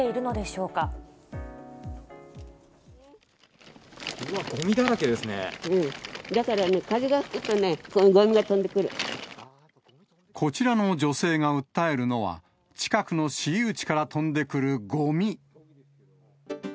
うわ、だからね、風が吹くとね、こちらの女性が訴えるのは、近くの私有地から飛んでくるごみ。